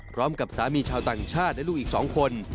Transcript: พร้อมกับสามีชาวต่างชาติและลูกอีก๒คน